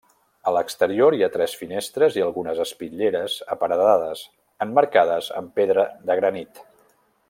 A l'exterior hi ha tres finestres i algunes espitlleres aparedades, emmarcades amb pedra de granit.